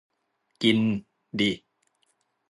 กินดิ